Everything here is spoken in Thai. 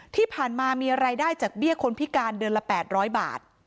ที่ผ่านมามีรายได้จากเบี้ยคนพิการเดือนละ๘๐๐บาท